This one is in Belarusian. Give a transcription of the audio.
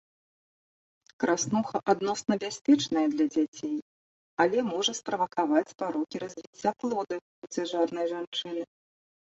Краснуха адносна бяспечная для дзяцей, але можа справакаваць парокі развіцця плода ў цяжарнай жанчыны.